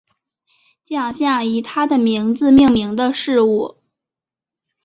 奖项以他的名字命名的事物